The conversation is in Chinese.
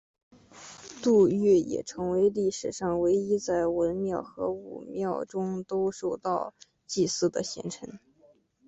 杜预也成为历史上唯一在文庙和武庙中都受到祭祀的贤臣。